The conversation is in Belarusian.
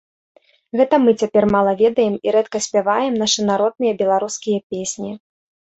Гэта мы цяпер мала ведаем і рэдка спяваем нашы народныя беларускія песні.